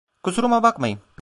Kusuruma bakmayın…